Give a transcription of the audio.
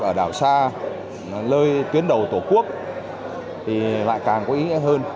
ở đảo xa nơi tuyến đầu tổ quốc thì lại càng có ý nghĩa hơn